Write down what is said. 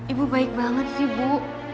ibu baik banget sih bu